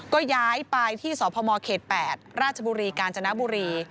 ก็ย้ายไปที่สพมเขต๘ราชบุรีกาญจนบุรี